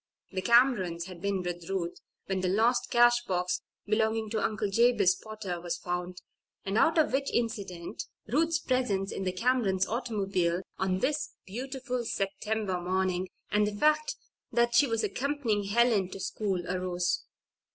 The Camerons had been with Ruth when the lost cash box belonging to Uncle Jabez Potter was found, and out of which incident Ruth's presence in the Camerons' automobile on this beautiful September morning, and the fact that she was accompanying Helen to school, arose.